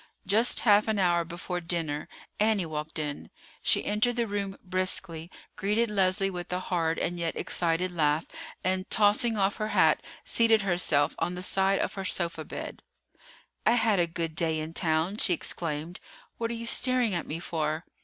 Just half an hour before dinner Annie walked in. She entered the room briskly, greeted Leslie with a hard and yet excited laugh, and, tossing off her hat, seated herself on the side of her sofa bed. "I had a good day in town," she exclaimed. "What are you staring at me for?"